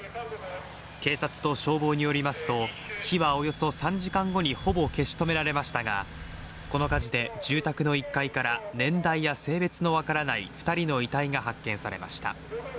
警察と消防によりますと火はおよそ３時間後にほぼ消し止められましたが、この火事で住宅の１階から年代や性別の分からない２人の遺体が発見されました。